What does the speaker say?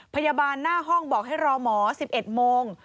พยาบาลหน้าห้องบอกให้รอหมอ๑๑โมง